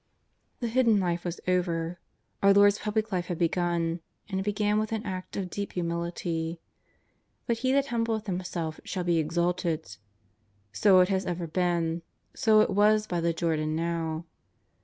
The Hidden Life was over, our Lord's Public Life had begun, and it began with an act of deep humility. But He that humbleth himself shall be exalted. So it has ever been; so it was by the Jordan now.